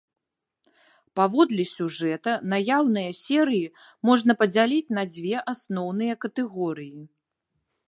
Паводле сюжэта, наяўныя серыі можна падзяліць на дзве асноўныя катэгорыі.